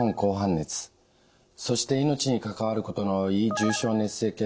そして命に関わることの多い重症熱性血